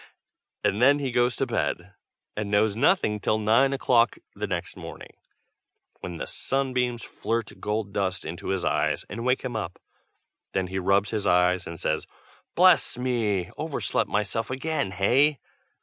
and then he goes to bed, and knows nothing till nine o'clock the next morning, when the sunbeams flirt gold dust into his eyes and wake him up. Then he rubs his eyes, and says "Bless me! overslept myself again, hey?